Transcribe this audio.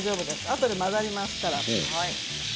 あとで混ざりますから。